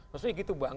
maksudnya gitu bang